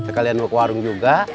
kita kalian mau ke warung juga